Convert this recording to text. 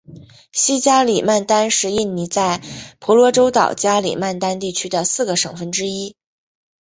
西加里曼丹是印尼在婆罗洲岛加里曼丹地区的四个省份之一。